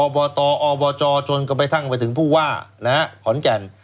ตอบตอบจจนกระทั่งไปถึงผู้ว่าขอนแก่น